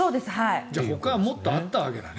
じゃあほかはもっとあったわけだね。